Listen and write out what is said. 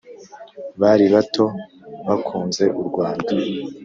Bari bato bakunze u Rwanda